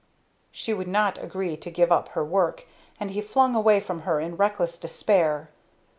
She would not agree to give up her work, and he flung away from her in reckless despair.